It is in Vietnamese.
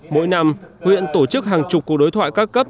mỗi năm huyện tổ chức hàng chục cuộc đối thoại các cấp